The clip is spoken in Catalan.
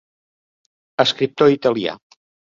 Escriptor italià.